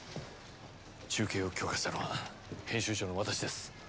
中継を許可したのは編集長の私です。